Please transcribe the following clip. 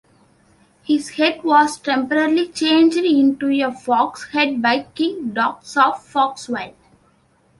His head was temporarily changed into a fox's head by King Dox of Foxville.